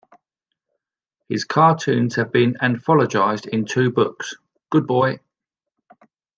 His cartoons have been anthologized in two books, Good Boy!